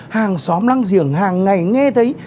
hàng xóm lăng giềng hàng ngày nghe thấy